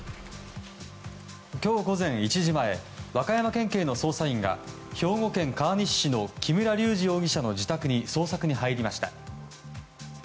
今日午前１時前和歌山県警の捜査員が兵庫県川西市の木村隆二容疑者の自宅に捜索に入りました。